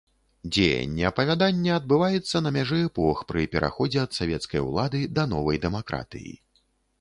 Дзеянне апавядання адбываецца на мяжы эпох, пры пераходзе ад савецкай улады да новай дэмакратыі.